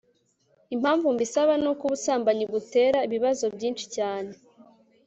impamvu mbisaba, nuko ubusambanyi butera ibibazo byinshi cyane